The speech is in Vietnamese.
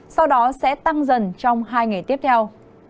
sau đó sẽ tăng dần trong hai ngày tiếp theo